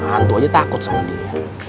hantu aja takut sama dia